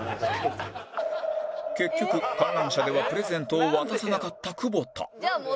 結局観覧車ではプレゼントを渡さなかった久保田